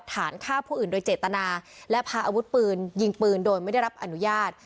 ฐานฆ่าผู้อื่นโดยเจตนาและพาอาวุธปืนยิงปืนโดยไม่ได้รับอนุญาต